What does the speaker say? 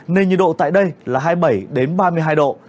nên nhiệt độ tại đây là hai mươi bảy ba mươi hai độ